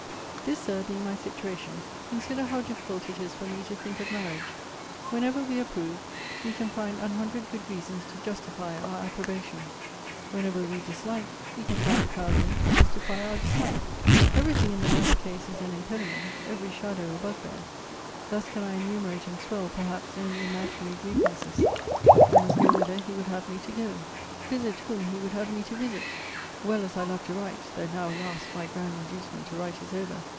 This, Sir, being my situation, consider how difficult it is for me to think of marriage. Whenever we approve, we can find an hundred good reasons to justify our approbation. Whenever we dislike, we can find a thousand to justify our dislike. Every thing in the latter case is an impediment; every shadow a bugbear. Thus can I enumerate and swell, perhaps, only imaginary grievances; 'I must go whither he would have me to go; visit whom he would have me to visit: well as I love to write, (though now, alas! my grand inducement to write is over!)